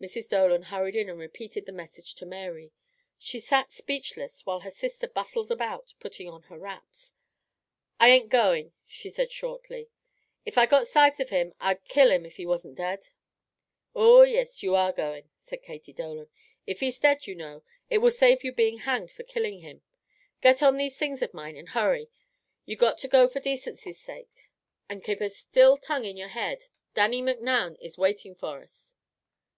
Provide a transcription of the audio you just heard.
Mrs. Dolan hurried in and repeated the message to Mary. She sat speechless while her sister bustled about putting on her wraps. "I ain't goin'," she said shortly. "If I got sight of him, I'd kill him if he wasn't dead." "Oh, yis you are goin'," said Katy Dolan. "If he's dead, you know, it will save you being hanged for killing him. Get on these things of mine and hurry. You got to go for decency sake; and kape a still tongue in your head. Dannie Micnoun is waiting for us."